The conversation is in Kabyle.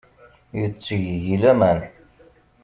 Yetteg deg-i laman.